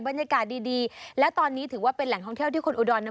บรรยากาศดีและตอนนี้ถือว่าเป็นแหล่งท่องเที่ยวที่คนอุดร